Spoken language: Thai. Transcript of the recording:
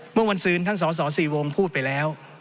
เมื่อวันซืนท่านสส๔วงพูดไปแล้ว